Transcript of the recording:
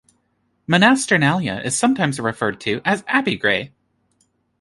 Monasternalea is sometimes referred to as Abbeygrey.